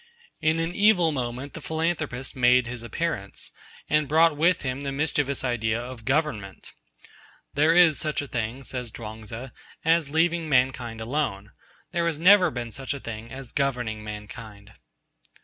In an evil moment the Philanthropist made his appearance, and brought with him the mischievous idea of Government. 'There is such a thing,' says Chuang Tzu, 'as leaving mankind alone: there has never been such a thing as governing mankind.'